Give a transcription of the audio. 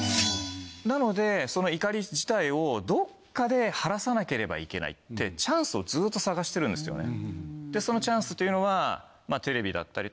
なのでその怒り自体をどっかで晴らさなければいけないってチャンスをずっと探してるんですよね。